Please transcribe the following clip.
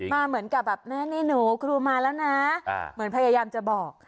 มาเหมือนกับแบบแม่นี่หนูครูมาแล้วนะเหมือนพยายามจะบอก